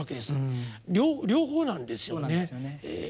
そうなんですよね。